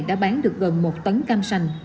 đã bán được gần một tấn cam xanh